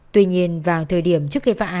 tuy nhiên vào thời điểm trước